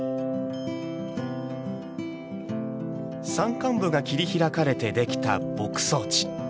山間部が切り開かれてできた牧草地。